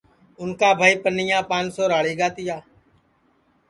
اُن کا بھائی پنیا پانسو راݪی گا تیا